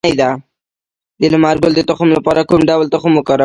د لمر ګل د تخم لپاره کوم ډول تخم وکاروم؟